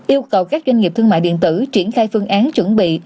yêu cầu các doanh nghiệp thương mại điện tử triển khai phương án chuẩn bị